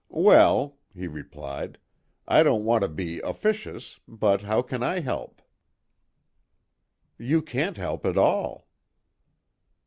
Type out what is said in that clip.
"Well," he replied, "I don't want to be officious but how can I help?" "You can't help at all."